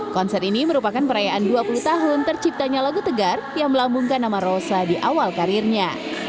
konser ini merupakan perayaan dua puluh tahun terciptanya lagu tegar yang melambungkan nama rosa di awal karirnya